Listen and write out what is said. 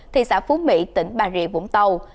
thị xã phú mỹ tỉnh bà rịa vũng tàu